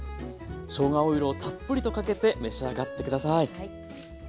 しょうがオイルをたっぷりとかけて召し上がって下さい。